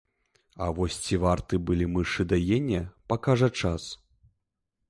А вось ці варты былі мышы даення, пакажа час.